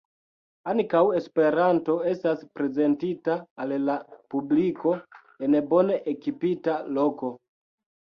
Ankaŭ Esperanto estas prezentita al la publiko en bone ekipita loko.